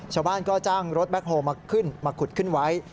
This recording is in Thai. ชาวบ้านก็จ้างรถแบ็คโฮลมาขึ้นมาขุดขึ้นไว้